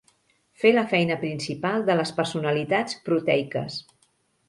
Fer la feina principal de les personalitats proteiques.